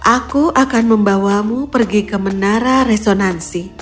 aku akan membawamu pergi ke menara resonansi